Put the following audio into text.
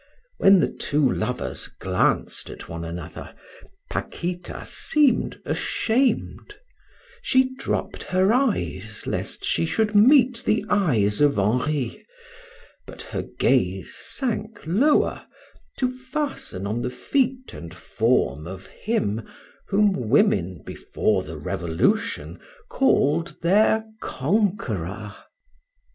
When the two lovers glanced at one another, Paquita seemed ashamed, she dropped her eyes lest she should meet the eyes of Henri, but her gaze sank lower to fasten on the feet and form of him whom women, before the Revolution, called their conqueror.